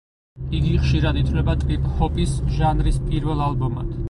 იგი ხშირად ითვლება ტრიპ ჰოპის ჟანრის პირველ ალბომად.